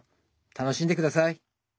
楽しんで下さい！